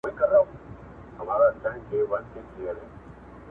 چي د کندهار د سابقه